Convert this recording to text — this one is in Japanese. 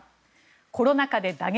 コロナ禍で打撃。